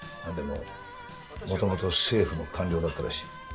なんでももともと政府の官僚だったらしい。